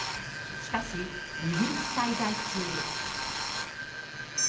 しかし、イギリス滞在中。